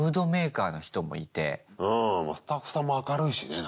スタッフさんも明るいしねなんか。